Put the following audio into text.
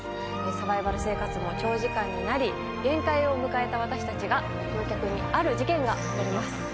サバイバル生活も長時間になり限界を迎えた私達や乗客にある事件が起こります